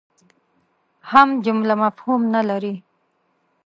هم جمله مفهوم نه لري.